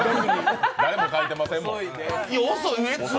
誰も書いてませんもん。